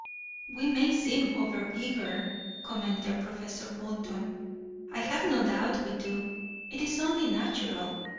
"We may seem over eager," commented Professor Bolton. "I have no doubt we do. It is only natural.